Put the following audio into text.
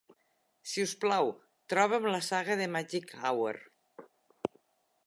Si us plau, troba'm la saga de Magic Hour.